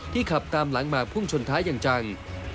ที่ขับตามหลังมาพรุ่งชนท้ายังจัง